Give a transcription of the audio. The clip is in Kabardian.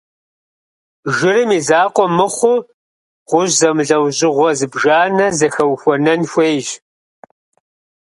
Жырым и закъуэ мыхъуу, гъущӏ зэмылӏэужьыгъуэ зыбжанэ зэхэухуэнэн хуейщ.